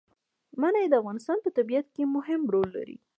منی د افغانستان په طبیعت کې مهم رول لري.